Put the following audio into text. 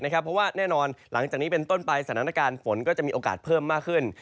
เพราะว่าแน่นอนหลังจากนี้เป็นต้นไปสถานการณ์ฝนก็จะมีโอกาสเพิ่มมากขึ้น